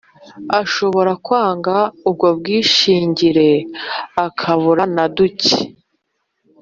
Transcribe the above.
Ashobora kwanga ubwo bwishingire akabura naducye